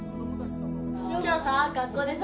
今日さ学校でさ。